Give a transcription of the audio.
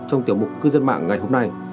trong tiểu mục cư dân mạng ngày hôm nay